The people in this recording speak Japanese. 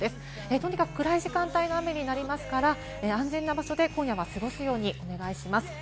とにかく暗い時間帯の雨になりますから、安全な場所で今夜は過ごすようにお願いします。